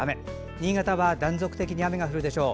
新潟は断続的に雨が降るでしょう。